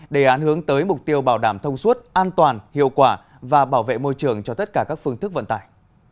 đề án hướng tới mục tiêu bảo đảm thông suốt an toàn hiệu quả và bảo vệ môi trường cho tất cả các phương thức vận tải